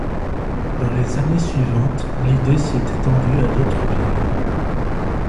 Dans les années suivantes, l'idée s'est étendue à d'autres villes.